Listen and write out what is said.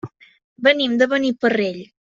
Venim de Beniparrell.